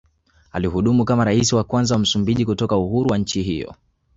Alihudumu kama Rais wa kwanza wa Msumbiji kutoka uhuru wa nchi hiyo